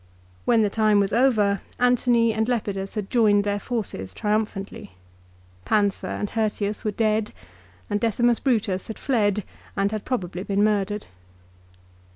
When the time was over Antony and Lepidus had joined their forces triumphantly. Pansa and Hirtius were dead, and Decimus Brutus had fled and had probably been murdered.